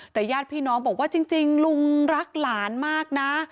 แต่ญาติพี่น้องบอกว่าจริงลุงรักหลานมากนะ